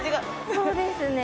そうですねはい。